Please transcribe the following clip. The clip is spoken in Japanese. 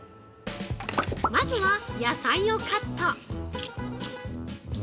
まずは、野菜をカット。